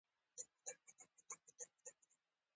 سوداګري او اقتصاد پرمختللی و